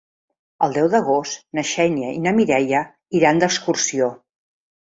El deu d'agost na Xènia i na Mireia iran d'excursió.